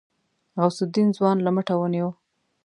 غوث الدين ځوان له مټه ونيو.